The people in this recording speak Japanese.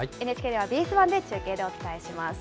ＮＨＫではＢＳ１で中継でお伝えします。